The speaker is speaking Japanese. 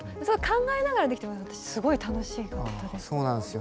考えながらできて私すごい楽しかったです。